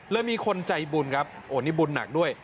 มีคนใจบุญครับโอ้นี่บุญหนักด้วย